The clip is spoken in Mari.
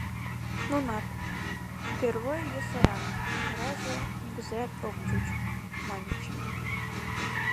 Нунат «Пӧрвой йӧсырак, вараже нигузеат ок чуч» маньыч.